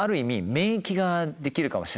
免疫ができるかもしれないんですね